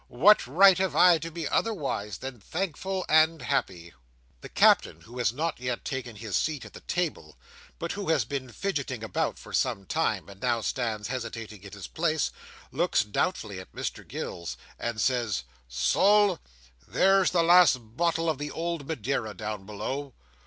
"What right have I to be otherwise than thankful and happy!" The Captain, who has not yet taken his seat at the table, but who has been fidgeting about for some time, and now stands hesitating in his place, looks doubtfully at Mr Gills, and says: "Sol! There's the last bottle of the old Madeira down below.